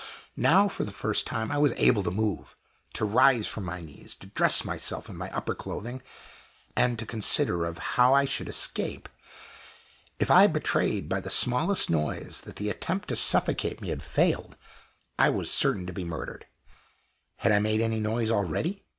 Now, for the first time, I was able to move to rise from my knees to dress myself in my upper clothing and to consider of how I should escape. If I betrayed by the smallest noise that the attempt to suffocate me had failed, I was certain to be murdered. Had I made any noise already?